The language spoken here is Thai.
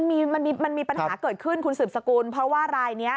มันมีปัญหาเกิดขึ้นคุณสนน้อยเพราะว่าร้านนี้